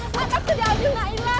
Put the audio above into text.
apa sedia juga ini tolong